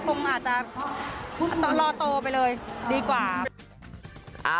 คงอาจจะรอโตไปเลยดีกว่า